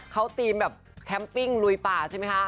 เขาทีมแบบแคมปิ้งลุยป่าใช่ไหมคะ